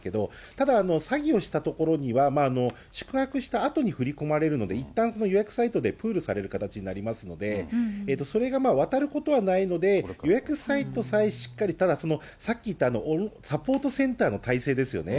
ただ詐欺をしたところには、宿泊したあとに振り込まれるので、いったん予約サイトでプールされる形になりますので、それが渡ることはないので、予約サイトさえしっかり、たださっき言ったサポートセンターの体制ですよね。